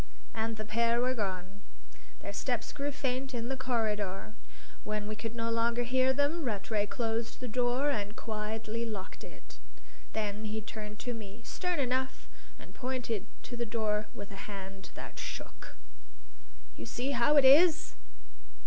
And the pair were gone; their steps grew faint in the corridor; when we could no longer hear them, Rattray closed the door and quietly locked it. Then he turned to me, stern enough, and pointed to the door with a hand that shook. "You see how it is?"